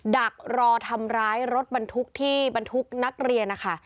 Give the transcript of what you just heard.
ดักรอทำร้ายรถบรรทุกที่บรรทุกนักเรียนนะคะ